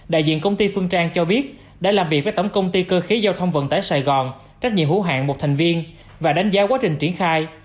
đại diện công ty phương trang cho biết đã làm việc với tổng công ty cơ khí giao thông vận tải sài gòn trách nhiệm hữu hạng một thành viên và đánh giá quá trình triển khai